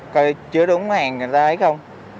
coi chứa đúng hàng người ta ấy không